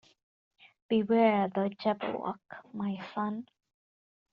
Beware the Jabberwock, my son!